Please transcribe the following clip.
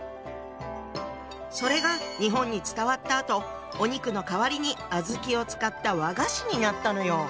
それが日本に伝わったあとお肉の代わりに小豆を使った和菓子になったのよ！